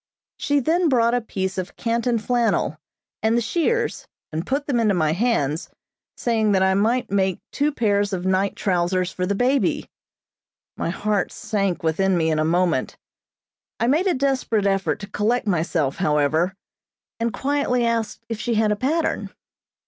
She then brought a piece of Canton flannel, and the shears, and put them into my hands, saying that I might make two pairs of night trowsers for the baby. My heart sank within me in a moment. I made a desperate effort to collect myself, however, and quietly asked if she had a pattern.